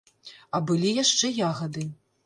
А былі яшчэ ягады.